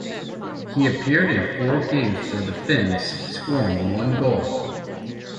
He appeared in four games for the Finns, scoring one goal.